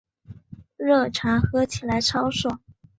热茶喝起来超爽